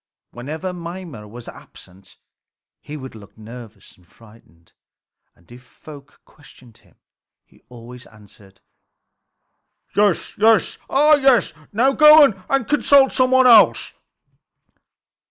Whenever Mimer was absent he would look nervous and frightened, and if folk questioned him he always answered: "Yes, ah yes! Now go and consult some one else."